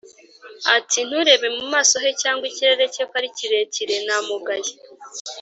ati “Nturebe mu maso he cyangwa ikirere cye ko ari kirekire namugaye